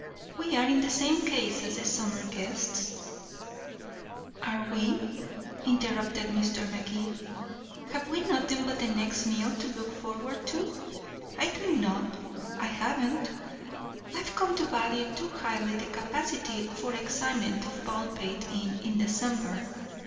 We are in the same case as the summer guests " "Are we?" interrupted Mr. Magee. "Have we nothing but the next meal to look forward to? I think not. I haven't. I've come to value too highly the capacity for excitement of Baldpate Inn in December.